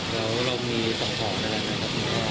แล้วเรามีสังขรรภ์อะไรของเขาครับ